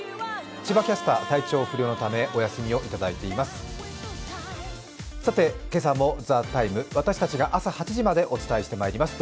千葉キャスター、体調不良のためお休みをいただいております。